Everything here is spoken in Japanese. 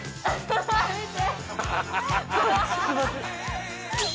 見て。